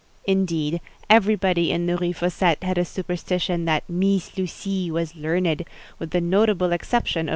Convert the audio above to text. Indeed, everybody in the Rue Fossette held a superstition that "Meess Lucie" was learned; with the notable exception of M.